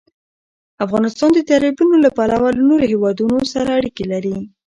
افغانستان د دریابونه له پلوه له نورو هېوادونو سره اړیکې لري.